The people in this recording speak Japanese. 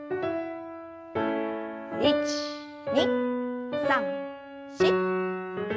１２３４。